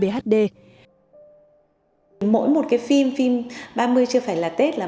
mỗi một cái phim phim ba mươi chưa phải là tết là